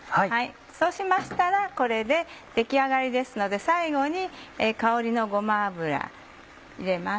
そうしましたらこれで出来上がりですので最後に香りのごま油入れます。